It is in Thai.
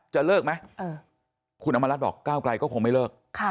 จะเลิกไหมคุณอำมารัฐบอกก้าวไกลก็คงไม่เลิก